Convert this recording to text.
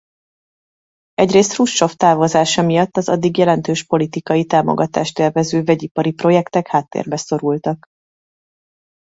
Egyrészt Hruscsov távozása miatt az addig jelentős politikai támogatást élvező vegyipari projektek háttérbe szorultak.